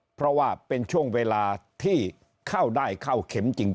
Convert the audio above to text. เพราะว่าเป็นช่วงเวลาที่เข้าได้เข้าเข็มจริง